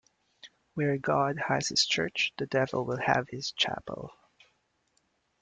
Where God has his church, the devil will have his chapel.